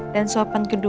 dan sopan kedua